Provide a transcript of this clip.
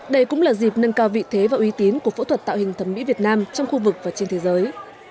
đây cũng là dịp nâng cao vị thế và uy tín của phẫu thuật tạo hình thẩm mỹ việt nam trong khu vực và trên thế giới